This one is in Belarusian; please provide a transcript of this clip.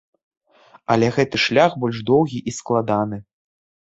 Але гэты шлях больш доўгі і складаны.